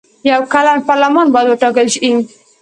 یو کلن پارلمان باید وټاکل شي.